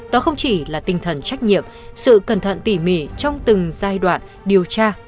đó không chỉ là tinh thần trách nhiệm sự cẩn thận tỉ mỉ trong từng giai đoạn điều tra